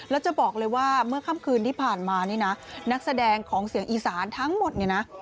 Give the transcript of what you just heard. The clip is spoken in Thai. แล้วจะบอกเลยว่าเมื่อค่ำคืนที่ผ่านมานี่นะนักแสดงของเสียงอีสานทั้งหมดเนี่ยนะ